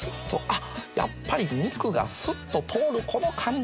やっぱり肉がすっと通るこの感じ。